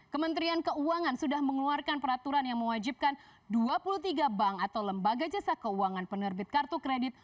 kementerian keuangan sudah mengeluarkan peraturan yang mewajibkan dua puluh tiga bank atau lembaga jasa keuangan penerbit kartu kredit